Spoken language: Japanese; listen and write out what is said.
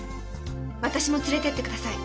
私も連れてってください。